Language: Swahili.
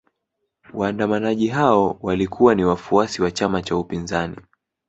Waandamanaji hao walikuwa ni wafuasi wa chama cha upinzani